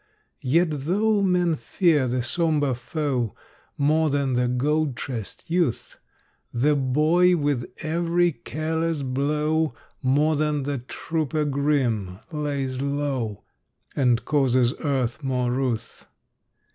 Yet though men fear the sombre foe More than the gold tressed youth, The boy with every careless blow More than the trooper grim lays low, And causes earth more ruth.